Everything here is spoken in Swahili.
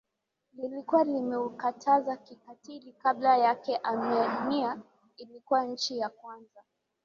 lilikuwa limeukataza kikatili Kabla yake Armenia ilikuwa nchi ya kwanza